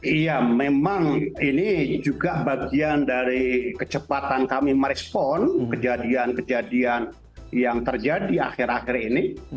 iya memang ini juga bagian dari kecepatan kami merespon kejadian kejadian yang terjadi akhir akhir ini